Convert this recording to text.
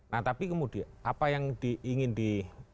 nah tapi kemudian apa yang ingin di